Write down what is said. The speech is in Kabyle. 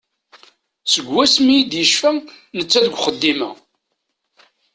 Seg wasmi i d-yecfa d netta deg uxeddim-a.